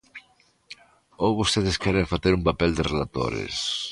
¿Ou vostedes queren facer un papel de relatores?